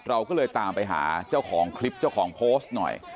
เราก็เลยตามไปหาเจ้าของคลิปเจ้าของโพสต์หน่อย